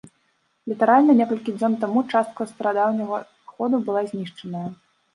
Літаральна некалькі дзён таму частка старадаўняга ходу была знішчаная.